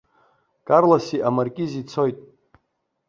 Карлоси амаркизи цоит.